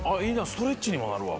ストレッチにもなるわ。